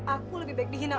aku lebih baik dihina